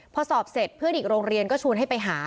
พอสอบเสร็จเพื่อนอีกโรงเรียนก็ชวนให้ไปหา